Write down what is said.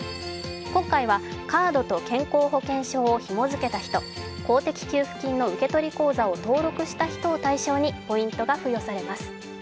今回はカードと健康保険証をひも付けた人公的給付金の受け取り口座を登録した人を対象にポイントが付与されます。